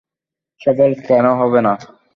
সফল কেন হবে না?